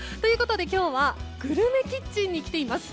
今日は「グルメキッチン」に来ています。